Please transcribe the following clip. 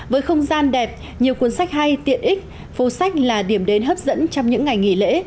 với không gian đẹp nhiều cuốn sách hay tiện ích phố sách là điểm đến hấp dẫn trong những ngày nghỉ lễ